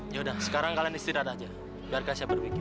yaudah sekarang kalian istirahat aja biar kak syah berpikir